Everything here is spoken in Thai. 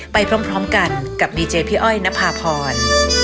ไปพร้อมกันกับดีเจพี่อ้อยนภาพร